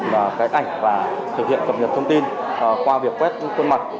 cách ảnh và thực hiện cập nhật thông tin qua việc quét khuôn mặt